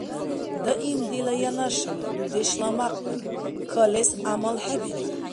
Даим дила янашар, дудешла мякьлар, калес гӀямалхӀебирар.